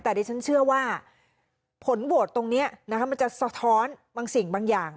แต่ดิฉันเชื่อว่าผลโหวตตรงนี้มันจะสะท้อนบางสิ่งบางอย่าง